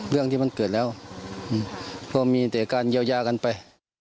เรื่องที่มันเกิดแล้วก็มีแต่การเยียวยากันไป